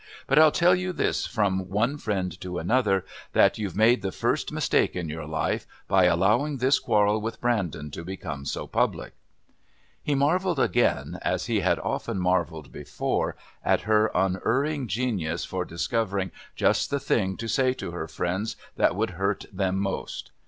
But I'll tell you this as from one friend to another, that you've made the first mistake in your life by allowing this quarrel with Brandon to become so public." He marvelled again, as he had often marvelled before, at her unerring genius for discovering just the thing to say to her friends that would hurt them most.